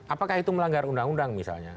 apakah itu melanggar undang undang misalnya